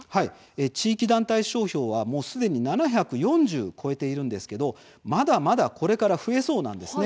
地域団体商標はもうすでに７４０を超えているんですがまだまだ、これから増えそうなんです。